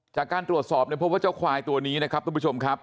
จากการตรวจสอบเนี่ยพบว่าเจ้าควายตัวนี้นะครับทุกผู้ชมครับ